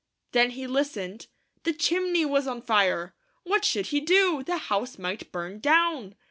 Then he listened. The chimney was on fire! What should he do ? The house might burn down